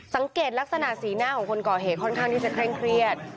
สังเกตลักษณะสีหน้าของคนก่อเหตุค่อนข้างที่จะเคร่งเครียด